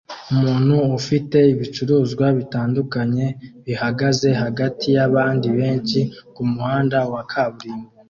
Umuntu ufite ibicuruzwa bitandukanye bihagaze hagati yabandi benshi kumuhanda wa kaburimbo